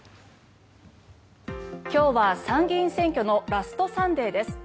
今日は参議院選挙のラストサンデーです。